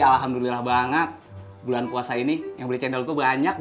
lu buat bracket lu lagi au ty misalnya lu